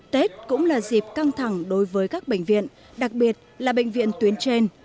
tết cũng là dịp căng thẳng đối với các bệnh viện đặc biệt là bệnh viện tuyến trên